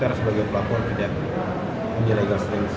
ter sebagai pelakuan pilihan legal standing